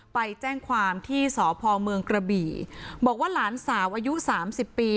ไปแจ้งความที่สพเมืองกระบี่บอกว่าหลานสาวอายุสามสิบปี